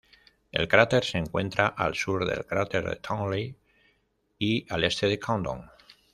El cráter se encuentra al sur del cráter Townley, y al este de Condon.